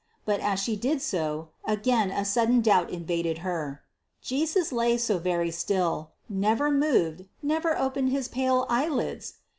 But as she did so, again a sudden doubt invaded her: Jesus lay so very still never moved, never opened his pale eye lids!